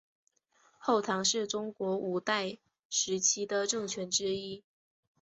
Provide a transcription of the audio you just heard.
后唐是中国五代时期的政权之一。